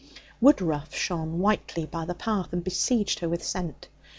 Woodruff shone whitely by the path and besieged her with scent.